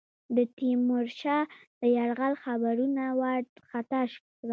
د تیمورشاه د یرغل خبرونو وارخطا کړه.